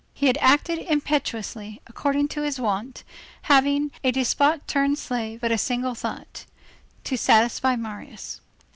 He had acted impetuously, according to his wont, having, a despot turned slave, but a single thought,—to satisfy Marius.